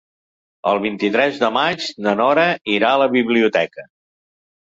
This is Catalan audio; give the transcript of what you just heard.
El vint-i-tres de maig na Nora irà a la biblioteca.